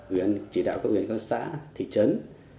huyện chỉ đạo các huyện có xã thị trấn